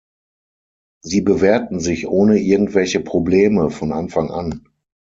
Sie bewährten sich ohne irgendwelche Probleme von Anfang an.